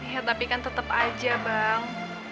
ya tapi kan tetap aja bang